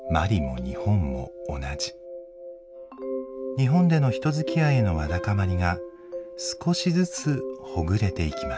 日本での人づきあいへのわだかまりが少しずつほぐれていきました。